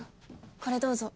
これどうぞ。